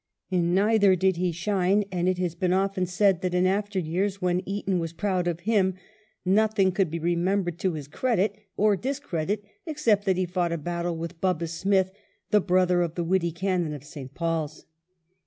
In neither did he shine, an^it^has been often said that, in after years, when EtoL '^ proud of him, nothing could be remembered to his \edit or discredit except that he fought a battle with " Bobus " Smith, the brother of the witty Canon of St. Paul's.